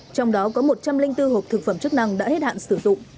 trong đó có một trăm linh bốn hộp thực phẩm chức năng đã hết hạn sử dụng